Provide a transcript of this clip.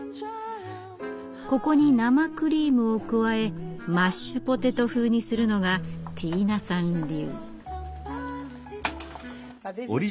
ここに生クリームを加えマッシュポテト風にするのがティーナさん流。